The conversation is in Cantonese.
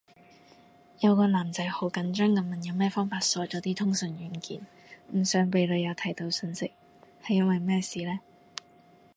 有個男仔好緊張噉問有咩方法鎖咗啲通訊軟件，唔想俾女友睇到訊息，係因為咩事呢？